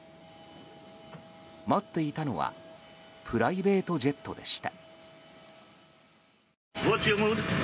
待っていたのはプライベートジェットでした。